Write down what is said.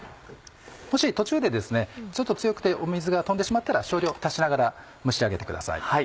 もし途中でちょっと強くて水が飛んでしまったら少量足しながら蒸し上げてください。